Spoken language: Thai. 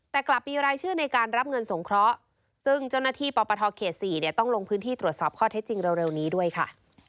แต่กลับมีรายชื่อในการรับเงินสงเคราะห์ซึ่งเจ้าหน้าที่ปปทเขต๔ต้องลงพื้นที่ตรวจสอบข้อเท็จจริงเร็วนี้ด้วยค่ะ